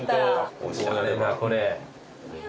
おしゃれだこれ。